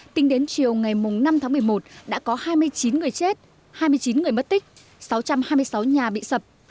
tính đến chiều ngày năm tháng một mươi một đã có hai mươi chín người chết hai mươi chín người mất tích sáu trăm hai mươi sáu nhà bị sập